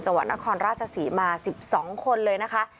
จังหวัดนครราชศรีมา๑๒คนเลยนะคะ